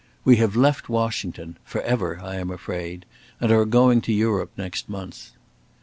We have left Washington for ever, I am afraid and are going to Europe next month.